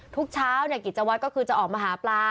ทุกเช้ากิจวัตรก็คือจะออกมาหาปลา